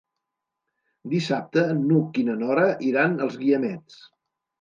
Dissabte n'Hug i na Nora iran als Guiamets.